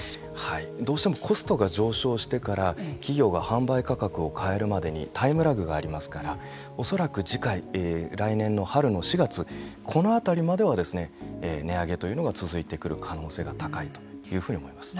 どうしてもコストが上昇してから企業が販売価格を変えるまでにタイムラグがありますから恐らく次回来年の春の４月このあたりまでは値上げというのが続くというふうに思います。